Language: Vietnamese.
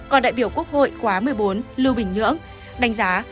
còn đại biểu quốc hội khóa một mươi bốn lưu bình nhưỡng đánh giá